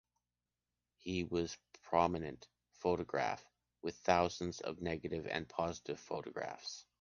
He was a prominent photograph, with thousands of negative and positive photographs.